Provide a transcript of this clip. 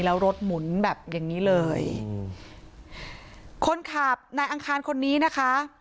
แล้วรถหมุนแบบอย่างงี้เลยอืมคนขับนายอังคารคนนี้นะคะ